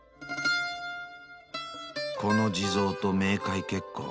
［この地蔵と冥界結婚